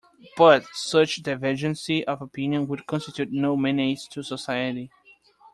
But such divergence of opinion would constitute no menace to society.